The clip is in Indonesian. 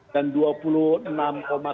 dan dua puluh enam triliun untuk pemilu